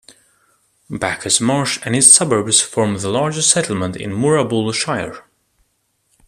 Bacchus Marsh and its suburbs form the largest settlement in Moorabool Shire.